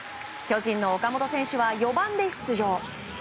巨人の岡本選手は４番で出場。